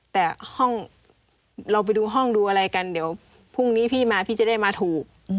แต่ห้องเราไปดูห้องดูอะไรกันเดี๋ยวพรุ่งนี้พี่มาพี่จะได้มาถูก